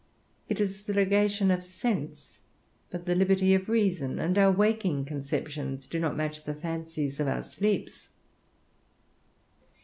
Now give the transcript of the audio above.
It is the ligation of sense, but the liberty of reason; and our waking conceptions do not match the fancies of our sleeps.